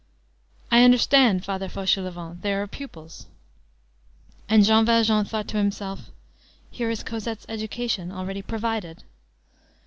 "I understand, Father Fauchelevent. There are pupils." And Jean Valjean thought to himself:— "Here is Cosette's education already provided."